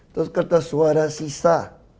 terus kertas suara sisa